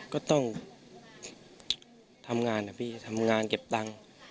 ก็ต้องทำงานนะพี่ทำงานเก็บตังค์